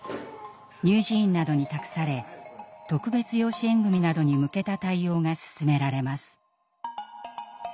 乳児院などに託され特別養子縁組などに向けた対応が進められます。